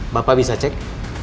bapak bisa cek